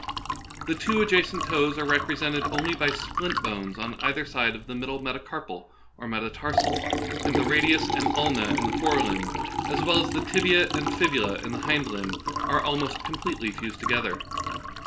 The two adjacent toes are rep resented only by splint bones on either side of the middle metacarpal or metatarsal, and the ra dius and ulna in the fore limb, as well as the tibia and fibula in the hind limb, are almost completely fused together.